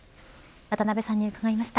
渡辺さんに伺いました。